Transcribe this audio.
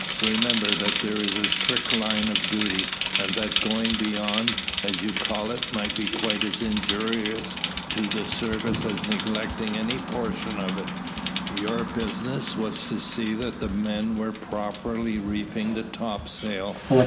"Remember that there is a strict line of duty, and that going beyond, as you call it, may be quite as injurious to the service as neglecting any portion of it. Your business was to see that the men were properly reefing the topsail.